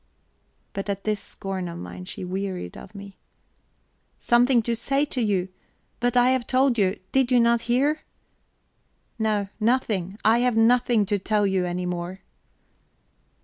But at this scorn of mine she wearied of me. "Something to say to you? But I have told you did you not hear? No, nothing I have nothing to tell you any more..."